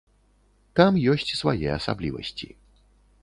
Там ёсць свае асаблівасці.